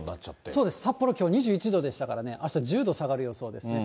そうです、札幌なんかきょう２１度でしたからね、あした１０度下がる予想ですね。